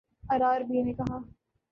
RRB نے کہا